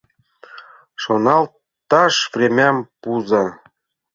— Шоналташ времям пуыза.